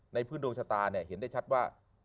พื้นดวงชะตาเนี่ยเห็นได้ชัดว่า